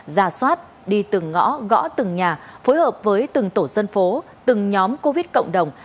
ra soát đi từng ngõ gõ từng nhà phối hợp với từng tổ dân phố